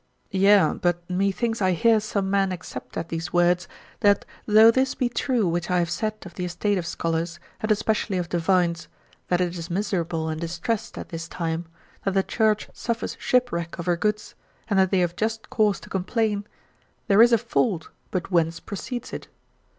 Yea, but methinks I hear some man except at these words, that though this be true which I have said of the estate of scholars, and especially of divines, that it is miserable and distressed at this time, that the church suffers shipwreck of her goods, and that they have just cause to complain; there is a fault, but whence proceeds it?